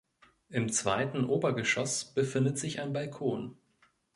Im zweiten Obergeschoß befindet sich ein Balkon.